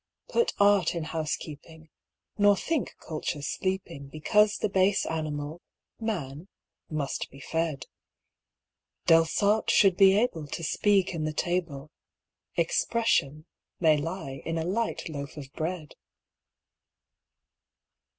Put art in housekeeping, nor think culture sleeping Because the base animal, man, must be fed. Delsarte should be able to speak in the table 'Expression' may lie in a light loaf of bread.